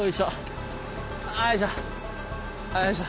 おいしょ。